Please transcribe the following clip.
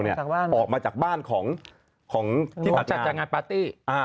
ของที่รอจากการปาร์ตี้